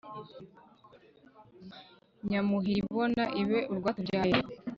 nyamuhiribona ibe urwatubyaye